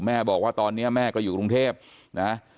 แม่บอกว่าตอนนี้แม่ก็อยู่กรุงเทพนะ